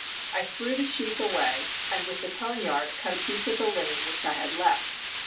I threw the sheath away, and with the poniard cut a piece of the linen which I had left.